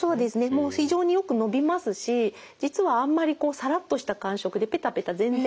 もう非常によくのびますし実はあんまりこうサラッとした感触でペタペタ全然してません。